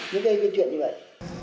những cái chuyện như vậy